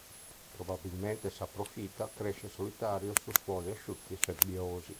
Probabilmente saprofita, cresce solitario su suoli asciutti e sabbiosi.